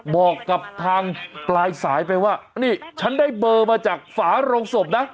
บอกกับทางปลายสายไปว่านี่ฉันได้เบอร์มาจากฝาโรงศพนะ